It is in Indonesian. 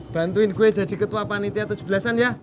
bantuin gue jadi ketua panitia tujuh belasan ya